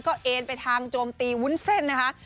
ก็เอ็นไปทางโจมตีวุ้นเส้นนะคะ